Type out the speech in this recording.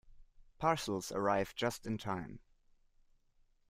Parcels arrive just in time.